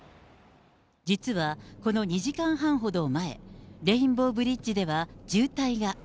実はこの２時間半ほど前、レインボーブリッジでは渋滞が。